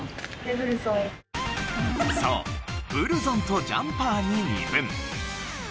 そうブルゾンとジャンパーに二分。